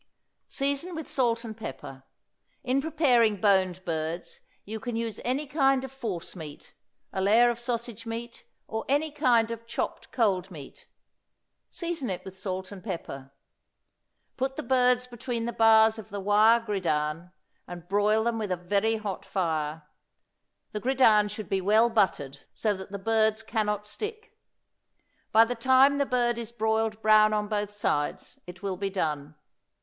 Season with salt and pepper. In preparing boned birds you can use any kind of force meat a layer of sausage meat, or any kind of chopped cold meat; season it with salt and pepper. Put the birds between the bars of the wire gridiron, and broil them with a very hot fire. The gridiron should be well buttered, so that the birds can not stick. By the time the bird is broiled brown on both sides it will be done.